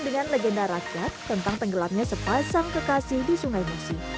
dengan legenda rakyat tentang tenggelamnya sepasang kekasih di sungai musi